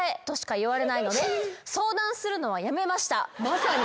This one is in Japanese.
まさに。